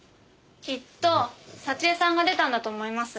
きっと佐知江さんが出たんだと思います。